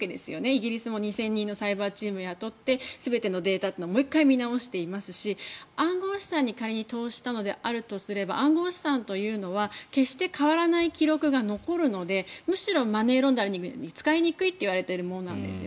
イギリスも２０００万人のサイバーチームを雇って全てのデータを見直していますし暗号資産に仮に投資したのであるとしたら暗号資産というのは決して変わらない記録が残るのでむしろマネーロンダリングに使いにくいといわれているものなんです。